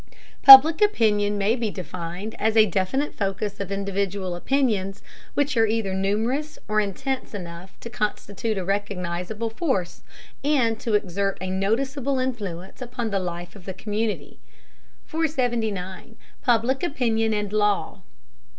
Public Opinion may be defined as a definite focus of individual opinions which are either numerous or intense enough to constitute a recognizable force, and to exert a noticeable influence upon the life of the community. 479. PUBLIC OPINION AND LAW.